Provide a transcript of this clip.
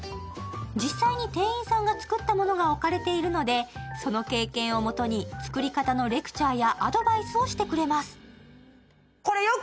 実際に店員さんが作ったものが置かれているので、その経験をもとに作り方のレクチャーやアドバイスをしてくれます。